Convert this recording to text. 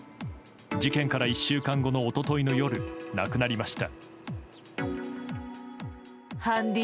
事件から１週間後の一昨日の夜亡くなりました。